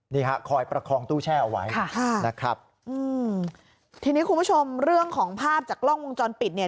นี่ฮะคอยประคองตู้แช่เอาไว้ค่ะนะครับอืมทีนี้คุณผู้ชมเรื่องของภาพจากกล้องวงจรปิดเนี่ย